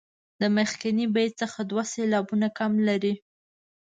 د مخکني بیت څخه دوه سېلابونه کم لري.